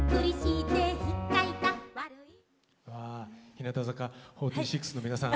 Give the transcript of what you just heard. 日向坂４６の皆さん